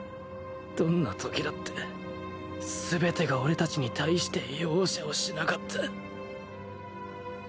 どんなときだって全てが俺たちに対して容赦をしなかった